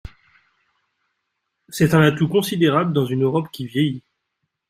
C’est un atout considérable dans une Europe qui vieillit.